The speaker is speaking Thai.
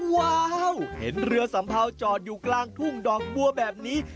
ว้าวเห็นเรือสัมเภาจอดอยู่กลางทุ่งดอกบัวแบบนี้